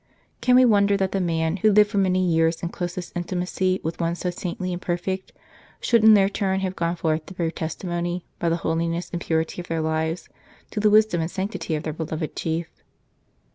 Can we wonder that the men who lived for many years in closest intimacy with one so saintly and perfect should in their turn have gone forth to bear testimony, by the holiness and purity of their lives, to the wisdom and sanctity of their beloved chief?